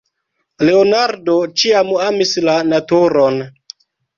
Leonardo ĉiam amis la naturon.